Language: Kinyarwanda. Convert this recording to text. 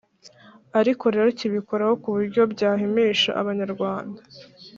ariko rero kibikoraho ku buryo byahimisha abanyarwanda